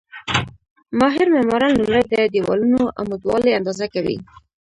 ماهر معماران لومړی د دېوالونو عمودوالی اندازه کوي.